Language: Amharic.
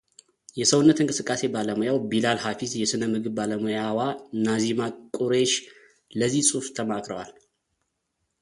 የሰውነት እንቅስቃሴ ባለሙያው ቢላል ሐፊዝ የሥነ ምግብ ባለሙያዋ ናዚማ ቁረሺ ለዚህ ጽሑፍ ተማክረዋል።